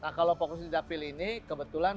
nah kalau fokus di dapil ini kebetulan